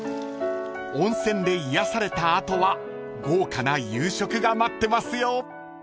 ［温泉で癒やされた後は豪華な夕食が待ってますよ］